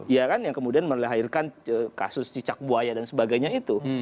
ya kan yang kemudian melahirkan kasus cicak buaya dan sebagainya itu